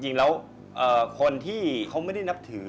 จริงแล้วคนที่เขาไม่ได้นับถือ